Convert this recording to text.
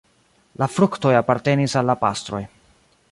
La fruktoj apartenis al la pastroj.